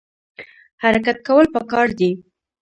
حرکت کول پکار دي